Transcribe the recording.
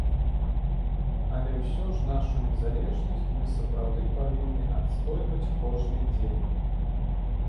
Але ўсё ж нашу незалежнасць мы сапраўды павінны адстойваць кожны дзень.